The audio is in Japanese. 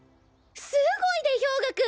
すごいで兵我君！